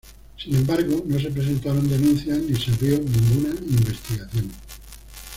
Sin embargo, no se presentaron denuncias ni se abrió ninguna investigación.